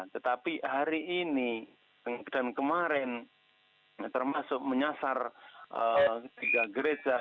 tetapi hari ini dan kemarin termasuk menyasar tiga gereja